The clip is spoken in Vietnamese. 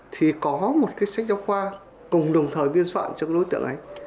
thì có một cái sách giáo khoa cùng đồng thời biên soạn cho cái đối tượng ấy